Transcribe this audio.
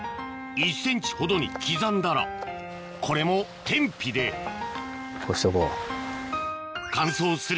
１ｃｍほどに刻んだらこれも天日で干しとこう。